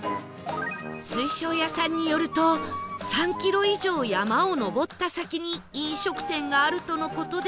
水晶屋さんによると３キロ以上山を上った先に飲食店があるとの事ですが